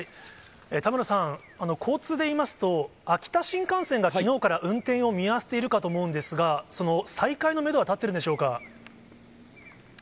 田村さん、交通でいいますと、秋田新幹線がきのうから運転を見合わせているかと思うんですが、その再開のメドは立ってるんでしょうか。